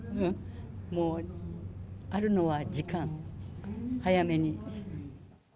もうあるのは時間、早めに。